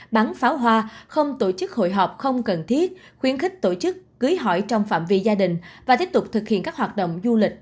bắn pháo hoa không tổ chức hội họp không cần thiết khuyến khích tổ chức cưới hỏi trong phạm vi gia đình và tiếp tục thực hiện các hoạt động du lịch